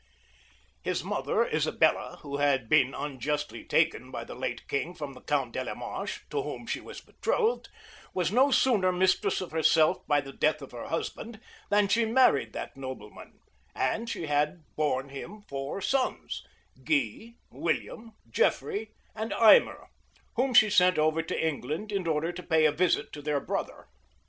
His mother Isabella, who had been unjustly taken by the late king from the count de la Marche, to whom she was betrothed, was no mistress of herself by the death of her husband, than she married that nobleman;[*] and she had born him four sons, Guy, William, Geoffrey, and Aymer, whom she sent over to England, in order to pay a visit to their brother.